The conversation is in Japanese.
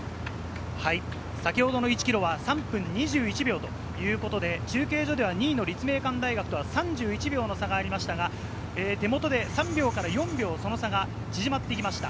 先ほどの１ｋｍは３分２１秒ということで、中継所では２位の立命館大学、３１秒の差がありましたが、手元で３秒から４秒、その差が縮まってきました。